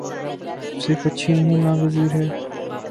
صرف اچھی نہیں ناگزیر ہے۔